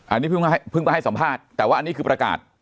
อันนี้เพิ่งไปให้สัมภาษณ์แต่ว่าอันนี้คือประกาศ